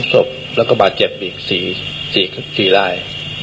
หลามศพแล้วก็บาดเจ็บอีกสี่ลาย